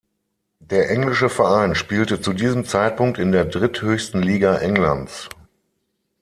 Der englische Verein spielte zu diesem Zeitpunkt in der dritthöchsten Liga Englands.